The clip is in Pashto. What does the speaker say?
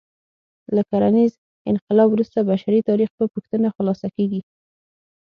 له کرنیز انقلاب وروسته بشري تاریخ په پوښتنه خلاصه کېږي.